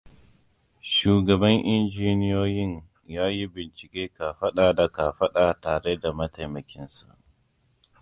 Shugaban injiniyoyin ya yi bincike kafaɗa da kafaɗa tare da mataimakinsa.